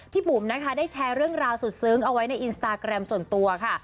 บุ๋มนะคะได้แชร์เรื่องราวสุดซึ้งเอาไว้ในอินสตาแกรมส่วนตัวค่ะ